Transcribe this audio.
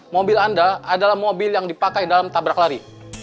mobil anda adalah mobil yang dipakai dalam tabrak lari